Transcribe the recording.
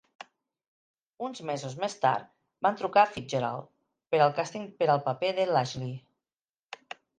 Uns mesos més tard, van trucar a Fitzgerald per al càsting per al paper de l'Ashley.